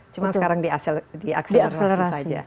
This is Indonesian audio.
cuma sekarang diakselerasi saja